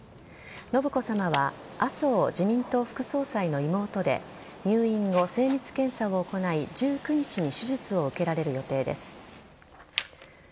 信子さまは麻生自民党副総裁の妹で入院後、精密検査を行い１９日に手術を受けられる予定です。